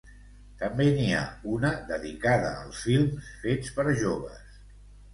També n’hi ha una dedicada als films fets per joves.